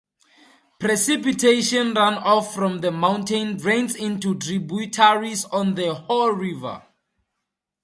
Precipitation runoff from the mountain drains into tributaries of the Hoh River.